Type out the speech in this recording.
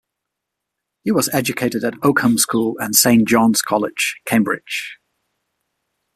He was educated at Oakham School and Saint John's College, Cambridge.